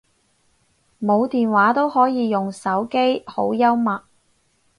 冇電話都可以用手機，好幽默